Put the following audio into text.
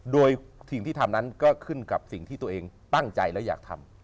โดยสิ่งที่ทำนั้นก็ขึ้นกับสิ่งที่ตัวเองตั้งใจและอยากทำ